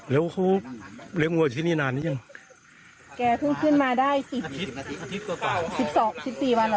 แล้วเขาเลี้ยงหัวที่นี่นานนี้ยังแกเพิ่งขึ้นมาได้สิบสิบสองสิบสี่วันหรอ